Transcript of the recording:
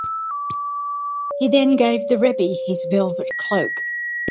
He then gave the Rebbe his velvet cloak.